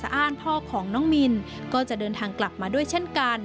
การเดินทางไปรับน้องมินครั้งนี้ทางโรงพยาบาลเวทธานีไม่มีการคิดค่าใช้จ่ายใด